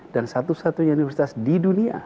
dan satu satunya universitas di dunia